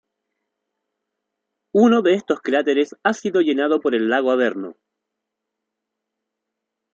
Uno de estos cráteres ha sido llenado por el lago Averno.